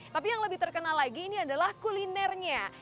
tapi yang lebih terkenal lagi ini adalah kulinernya